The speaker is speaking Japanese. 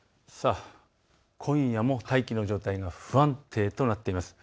今夜も大気の状態が不安定となっています。